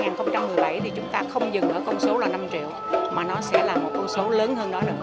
năm hai nghìn một mươi bảy thì chúng ta không dừng ở con số là năm triệu mà nó sẽ là một con số lớn hơn đó nữa